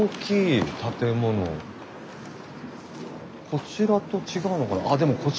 こちらと違うのかな。